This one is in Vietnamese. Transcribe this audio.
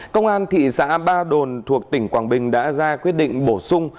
công an thị xã ba đồn thuộc tỉnh quảng bình đã ra quyết định bổ sung